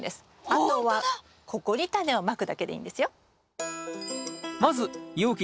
あとはここにタネをまくだけでいいんですよ。